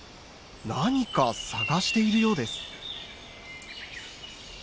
何か探しているようです。